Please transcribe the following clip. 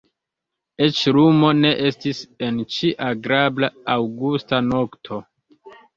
Eĉ lumo ne estis en ĉi agrabla aŭgusta nokto.